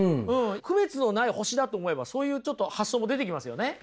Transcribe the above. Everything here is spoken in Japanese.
区別のない星だと思えばそういうちょっと発想も出てきますよね。